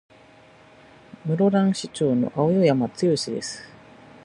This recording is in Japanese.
室蘭市長の青山剛です。